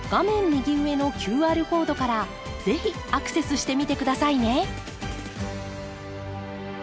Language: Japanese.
右上のＱＲコードから是非アクセスしてみて下さいね！